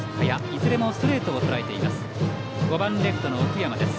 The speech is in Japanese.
いずれもストレートをとらえています。